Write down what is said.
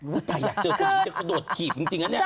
อุ๊ยถ้าอยากเจอคุณนี้จะขโดดถีบจริงน่ะเนี่ยคือ